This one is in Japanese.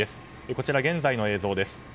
こちらは現在の映像です。